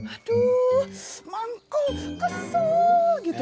aduh mangkuk kesel gitu